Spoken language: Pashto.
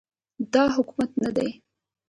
دا حکومت نه دی